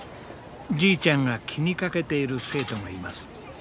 じいちゃんが気にかけている生徒がいます。